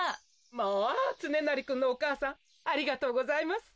・まあつねなりくんのお母さんありがとうございます。